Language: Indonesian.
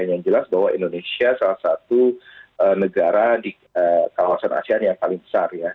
yang jelas bahwa indonesia salah satu negara di kawasan asean yang paling besar ya